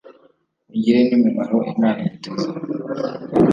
Ugire n’ imimaro Imana igutezeho.